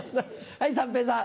はい三平さん。